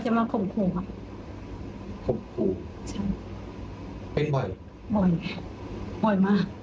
เวลาเรื่องร้องเรียน